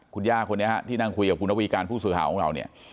คุณย่าคนนี้ที่นั่งคุยกับคุณวีการผู้สื่อหาของเรา